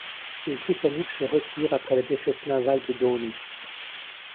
Les Britanniques se retirent après la défaite navale de Downie.